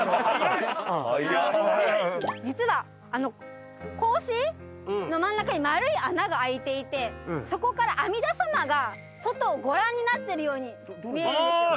実は格子の真ん中に丸い穴が開いていてそこから阿弥陀さまが外をご覧になってるように見えるんですよ。